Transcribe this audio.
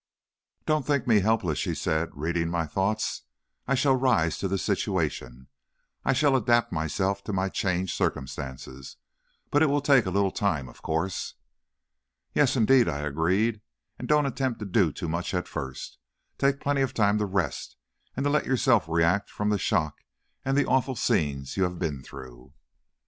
"Don't think me helpless," she said, reading my thoughts; "I shall rise to the situation, I shall adapt myself to my changed circumstances, but it will take a little time, of course." "Yes, indeed," I agreed, "and don't attempt to do too much at first. Take plenty of time to rest and to let yourself react from the shock and the awful scenes you have been through."